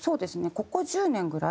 ここ１０年ぐらい？